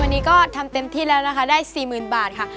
วันนี้ก็ทำเต็มที่แล้วนะคะได้๔๐๐๐บาทค่ะ